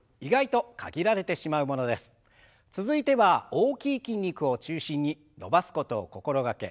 続いては大きい筋肉を中心に伸ばすことを心掛け